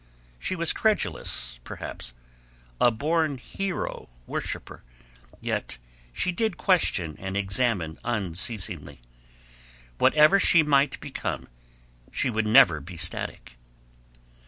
She was credulous, perhaps; a born hero worshipper; yet she did question and examine unceasingly. Whatever she might become she would never be static.